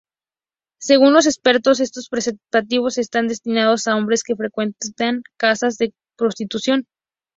Según los expertos, esos preservativos estaban destinados a hombres que frecuentaban casas de prostitución.